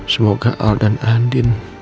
semoga al dan andin